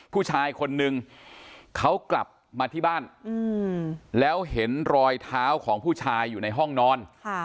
ผู้ชายคนนึงเขากลับมาที่บ้านแล้วเห็นรอยเท้าของผู้ชายอยู่ในห้องนอน